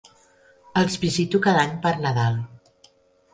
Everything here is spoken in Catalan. Els visito cada any per Nadal.